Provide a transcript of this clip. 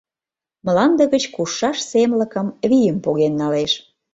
Мланде гыч кушшаш семлыкым, вийым поген налеш.